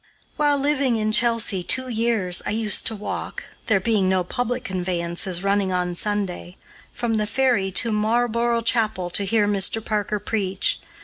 While living in Chelsea two years, I used to walk (there being no public conveyances running on Sunday) from the ferry to Marlborough Chapel to hear Mr. Parker preach.